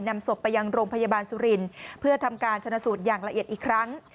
นำศพไปยังโรงพยาบาลสุรินทร์เพื่อทำการชนะสูตรอย่างละเอียดอีกครั้ง